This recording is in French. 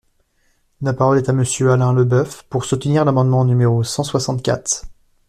La parole est à Monsieur Alain Leboeuf, pour soutenir l’amendement numéro cent soixante-quatre.